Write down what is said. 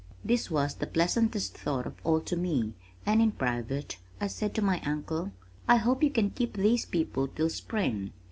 This was the pleasantest thought of all to me and in private I said to my uncle, "I hope you can keep these people till spring.